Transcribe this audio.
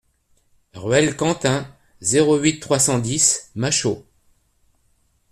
Ruelle Quentin, zéro huit, trois cent dix Machault